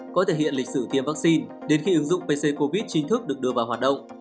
có thể hiện lịch sử tiêm vaccine đến khi ứng dụng pc covid chính thức được đưa vào hoạt động